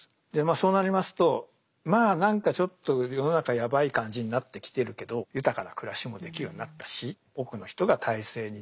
そうなりますとまあ何かちょっと世の中ヤバい感じになってきてるけど豊かな暮らしもできるようになったし多くの人が体制に順応し始めます。